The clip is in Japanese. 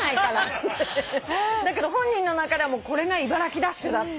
だけど本人の中では「これが茨城ダッシュだ！」って。